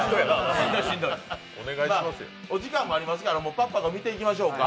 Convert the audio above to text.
お時間もありますから、パッパカ見ていきましょうか。